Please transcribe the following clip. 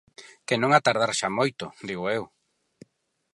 Que non ha tardar xa moito, digo eu.